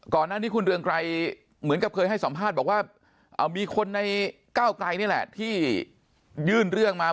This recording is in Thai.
ก่อนหน้านี้คุณเรืองไกรเหมือนกับเคยให้สัมภาษณ์บอกว่ามีคนในก้าวไกลนี่แหละที่ยื่นเรื่องมา